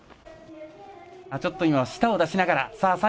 ちょっと舌を出しながら。